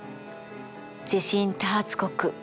地震多発国日本。